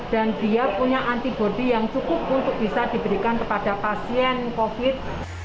dan dia punya antibody yang cukup untuk bisa diberikan kepada pasien covid